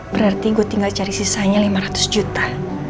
berarti gue tinggal cari sisanya lima ratus juta